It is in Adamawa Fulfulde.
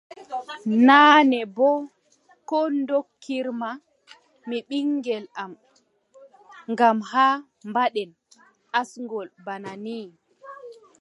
Naane boo, ko ndokkirma mi ɓiŋngel am ngam haa mbaɗen asngol bana nii.